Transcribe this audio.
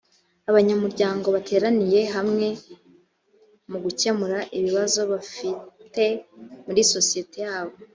abanyamuryango bateraniye hamwe mugukemura ibibazo bafite muri sosiyete yabo